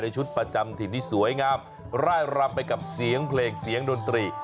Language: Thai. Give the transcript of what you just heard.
ชุดประจำถิ่นที่สวยงามร่ายรำไปกับเสียงเพลงเสียงดนตรี